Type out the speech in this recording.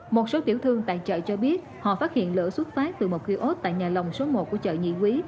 một số tiểu thương tại chợ cho biết họ phát hiện lửa xuất phát từ một kiosk tại nhà lòng số một của chợ nhị quý